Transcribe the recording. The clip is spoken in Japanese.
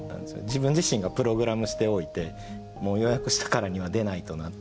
自分自身がプログラムしておいてもう予約したからには出ないとなっていう。